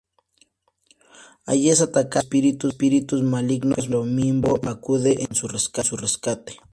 Allí es atacada por espíritus malignos, pero Bimbo acude en su rescate.